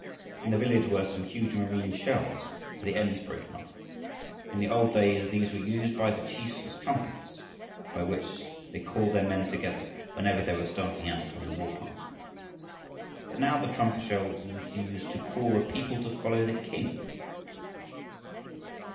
In the village were some huge marine shells with the ends broken off. In the old days these were used by the chiefs as trumpets by which they called their men together whenever they were starting out on the war path. But now the trumpet shell was used to call the people to follow the King.